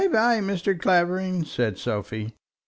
"By, by, Mr. Clavering," said Sophie.